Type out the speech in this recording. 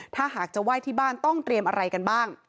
ถ้าหากจะไหว้ที่บ้านต้องเตรียมอะไรกันบ้าง